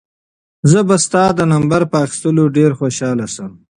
زه به ستا د نمبر په اخیستلو ډېر خوشحاله شم.